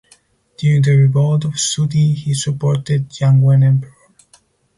During the revolt of Zhu Di he supported Jianwen Emperor.